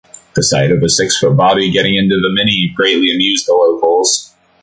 The sight of a six-foot bobby getting into the Mini greatly amused the locals.